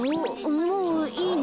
もういいの？